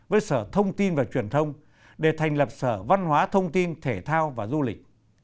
với sở thông tin và truyền thông để thành lập sở văn hóa thông tin thể thao và du lịch